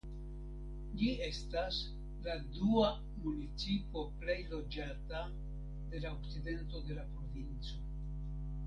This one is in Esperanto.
Ĝi estas la dua municipo plej loĝata de la okcidento de la provinco.